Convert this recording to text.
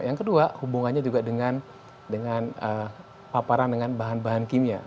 yang kedua hubungannya juga dengan paparan dengan bahan bahan kimia